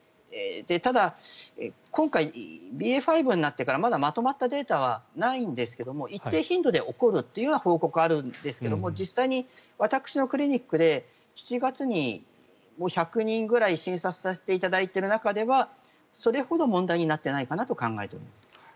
ただ今回、ＢＡ．５になってからまだまとまったデータはないんですけども一定頻度で起こるという報告はあるんですが実際に私のクリニックで７月に１００人ぐらい診察させていただいている中ではそれほど問題になってないかなと考えています。